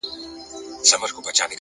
هره ستونزه د حل نوې دروازه ده,